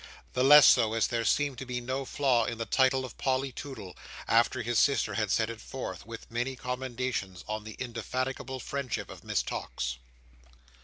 The less so, as there seemed to be no flaw in the title of Polly Toodle after his sister had set it forth, with many commendations on the indefatigable friendship of Miss Tox.